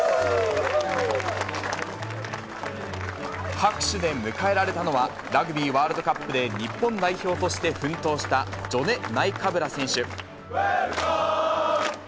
拍手で迎えられたのは、ラグビーワールドカップで日本代表として奮闘したジョネ・ナイカブラ選手。